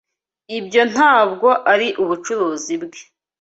Ibyo ntabwo ari ubucuruzi bwe